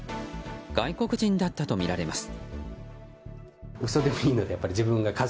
外国人だったとみられます。